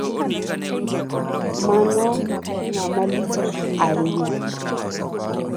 Mano ng'amalich hainya.